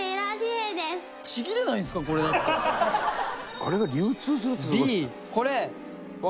あれが流通するっていうのが。